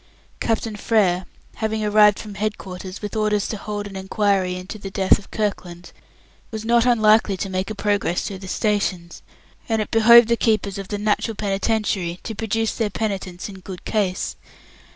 Captain Frere, having arrived from head quarters, with orders to hold an inquiry into the death of Kirkland, was not unlikely to make a progress through the stations, and it behoved the keepers of the Natural Penitentiary to produce their Penitents in good case.